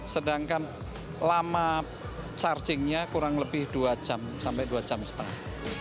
sedangkan lama chargingnya kurang lebih dua jam sampai dua jam setengah